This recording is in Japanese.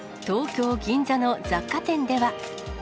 東京・銀座の雑貨店では。